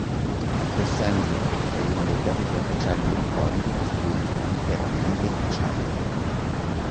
The center è uno dei pochi grattacieli di Hong Kong costruiti interamente in acciaio.